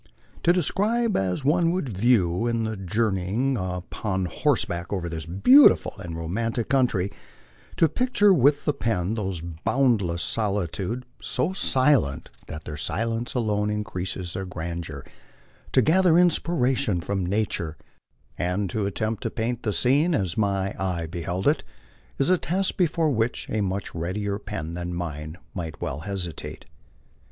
To describe as one would view it in journeying upon horseback over this beautiful and romantic country, to picture with the pen those boundless solitude so silent that theii MY LIFE ON THE PLAINS. 11 silence alone increases their grandeur to gather inspiration from nature and to attempt to paint the scene as my eye beheld it, is a task before which a much readier pen than mine might well hesitate.